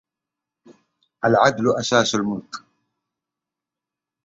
خلياني عند اصطكاك الخصومِ